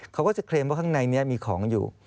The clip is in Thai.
เขาก็จะเคลมว่าข้างในนี้มีของอยู่